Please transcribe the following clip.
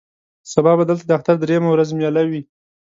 سبا به دلته د اختر درېیمه ورځ مېله وي.